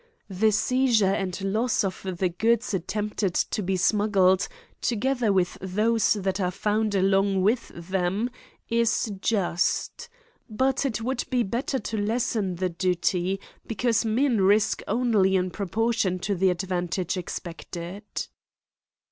The seizure and loss of the goods attempted to be smuggled, together with those that are found along with them, is just! but it would be better to lessen the duty, because men risk only in proportion to the advantage expected.